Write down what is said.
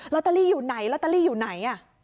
ตเตอรี่อยู่ไหนลอตเตอรี่อยู่ไหน